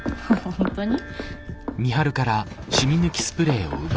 本当に？